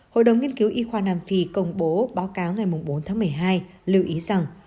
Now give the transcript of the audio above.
hội đồng nghiên cứu y khoa nam phi công bố báo cáo ngày bốn tháng một mươi hai lưu ý rằng